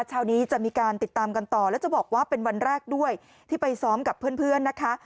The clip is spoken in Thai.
เช้านี้จะมีการติดตามกันต่อแล้วจะบอกว่าเป็นวันแรกด้วยที่ไปซ้อมกับเพื่อนนะคะ